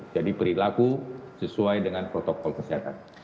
jadi perilaku sesuai dengan protokol kesehatan